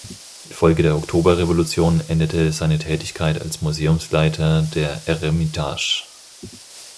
Infolge der Oktoberrevolution endete seine Tätigkeit als Museumsleiter der Eremitage.